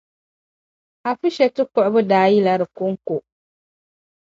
Afishetu kpuɣibu daa yila di konko.